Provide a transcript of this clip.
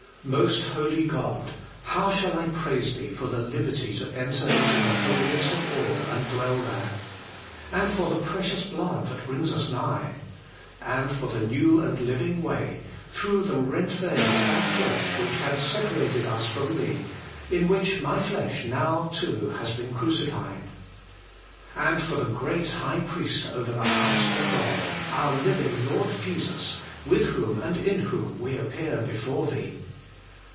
Most Holy God ! how shall I praise Thee for the liberty to enter into the Holiest of all, and dwell there ? And for the precious Blood, that brings us nigh ? And for the new and living way, through THE WAY INTO THE HOLIEST. 251 the rent veil of tnat flesh which had separated us from Thee, in which my flesh now too has been crucified ? And for the Great Priest over the House of God, our Living Lord Jesus, with Whom and in Whom we appear before Thee